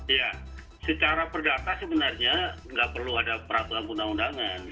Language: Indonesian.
ya secara perdata sebenarnya nggak perlu ada peraturan undang undangan